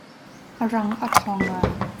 A rang a ṭhawng ngai.